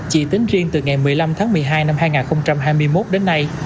chỉ tính riêng từ ngày một mươi năm tháng một mươi hai năm hai nghìn hai mươi một đến nay